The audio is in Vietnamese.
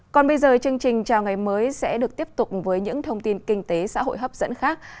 còn bây giờ chương trình chào ngày mới sẽ được tiếp tục với những thông tin kinh tế xã hội hấp dẫn khác